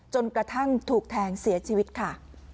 จนกระทั่งถูกแทงเสียชีวิตค่ะ